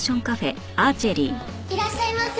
いらっしゃいませ。